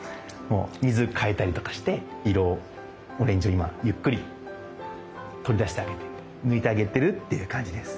水替えたりとかして色オレンジを今ゆっくり取り出してあげて抜いてあげてるっていう感じです。